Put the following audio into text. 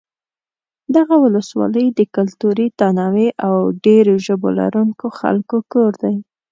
دغه ولسوالۍ د کلتوري تنوع او ډېر ژبو لرونکو خلکو کور دی.